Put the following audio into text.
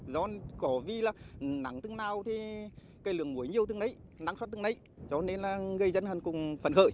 do covid là nắng tương nào thì cây lường muối nhiều tương đấy nắng sốt tương đấy cho nên là gây dân hẳn cùng phận hợi